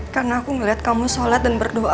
karena aku ngeliat kamu sholat dan berdoa